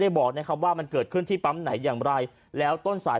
บอกนะครับว่ามันเกิดขึ้นที่ปั๊มไหนอย่างไรแล้วต้นสาย